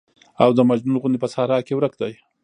او د مجنون غوندې په صحرا کې ورک دى.